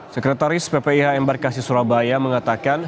sekretaris ppih embarkasi surabaya mengatakan